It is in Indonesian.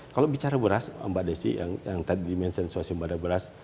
kalau bicara beras mbak desi yang tadi dimaksudkan